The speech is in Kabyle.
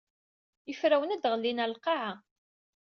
Iferrawen a d-ɣellin ɣer lqaɛa.